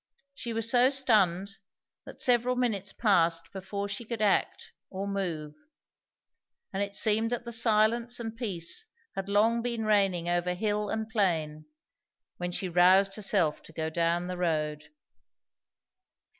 She was so stunned, that several minutes passed before she could act, or move; and it seemed that the silence and peace had long been reigning over hill and plain, when she roused herself to go down the road.